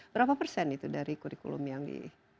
berapa persen itu dari kurikulum yang di